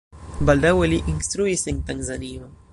Baldaŭe li instruis en Tanzanio.